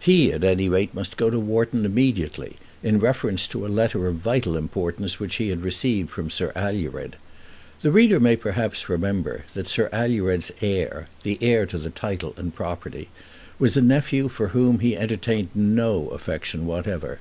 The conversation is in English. He at any rate must go to Wharton immediately, in reference to a letter of vital importance which he had received from Sir Alured. The reader may perhaps remember that Sir Alured's heir, the heir to the title and property, was a nephew for whom he entertained no affection whatever.